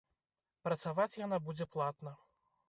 Працаваць яна будзе платна.